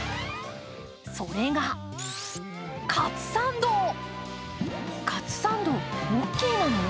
それがカツサンド。